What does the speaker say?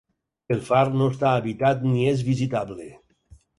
El far no està habitat ni és visitable.